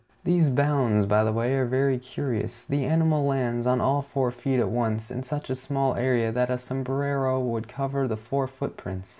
These bounds, by the way, are very curious: the animal lands on all four feet at once, in such a small area that a sombrero would cover the four footprints.